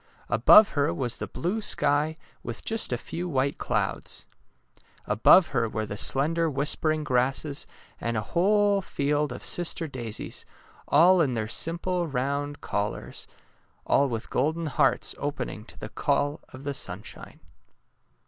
Above her was the blue sky, with just a few white clouds. Above her were the slender whispering grasses and a whole field of sister daisies, all in their simple round col 183 184 DAISY AND SUNFLOWER lars,— all with golden hearts opening to the call of the sunshine.